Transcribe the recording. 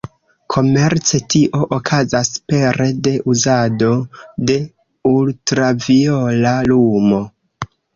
Komerce, tio okazas pere de uzado de ultraviola lumo.